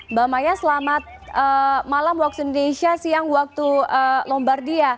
mbak maya selamat malam waktu indonesia siang waktu lombardia